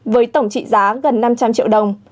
với tổng trị giá gần năm trăm linh triệu đồng